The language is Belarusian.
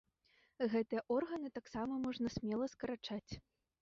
Гэтыя органы таксама можна смела скарачаць.